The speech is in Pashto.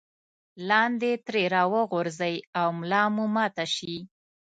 لاندې ترې راوغورځئ او ملا مو ماته شي.